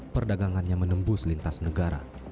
perdagangannya menembus lintas negara